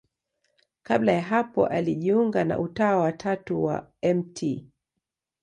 Kabla ya hapo alijiunga na Utawa wa Tatu wa Mt.